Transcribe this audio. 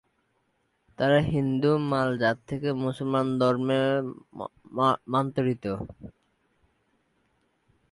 তারা হিন্দু মাল জাত থেকে মুসলমান ধর্মে র্মান্তরিত।